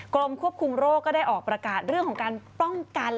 กรมควบคุมโรคก็ได้ออกประกาศเรื่องของการป้องกัน